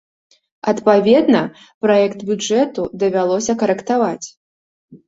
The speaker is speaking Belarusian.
Адпаведна, праект бюджэту давялося карэктаваць.